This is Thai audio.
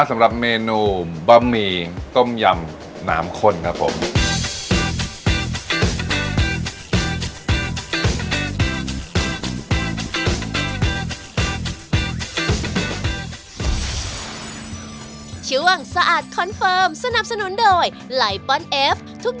สำหรับเมนูบะหมี่ต้มยำน้ำข้นครับผม